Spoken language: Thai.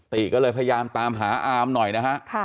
ติก็เลยพยายามตามหาอามหน่อยนะฮะ